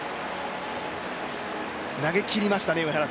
投げきりましたね。